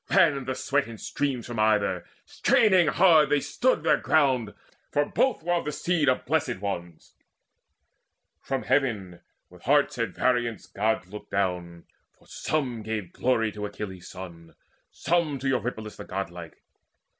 Ran the sweat in streams From either: straining hard they stood their ground, For both were of the seed of Blessed Ones. From Heaven, with hearts at variance, Gods looked down; For some gave glory to Achilles' son, Some to Eurypylus the godlike.